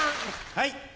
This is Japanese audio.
はい。